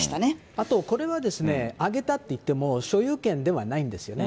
あとこれは、あげたっていっても、所有権ではないんですよね。